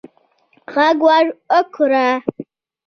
ږغ ور وکړه